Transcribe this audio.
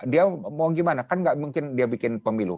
dia mau gimana kan gak mungkin dia bikin pemilu